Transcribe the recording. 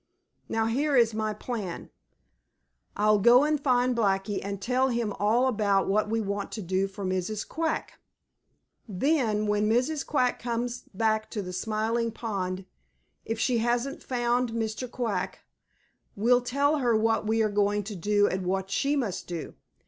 Now here is my plan. I'll go find Blacky and tell him all about what we want to do for Mrs. Quack. Then, when Mrs. Quack comes back to the Smiling Pool, if she hasn't found Mr. Quack, we'll tell her what we are going to do and what she must do.